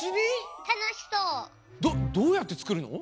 どどうやってつくるの？